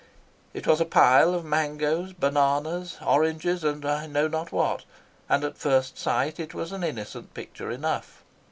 It was a pile of mangoes, bananas, oranges, and I know not what and at first sight it was an innocent picture enough.